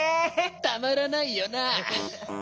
たまらないよな。